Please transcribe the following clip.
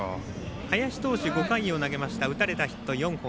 林投手５回を投げました打たれたヒット４本。